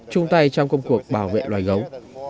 trung tay trong công cuộc bảo vệ loài gấu